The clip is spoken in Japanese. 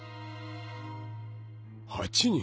８人！？